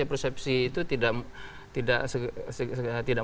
persepsi itu tidak